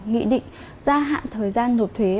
nghị định gia hạn thời gian nộp thuế